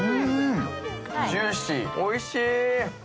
ジューシー、おいし。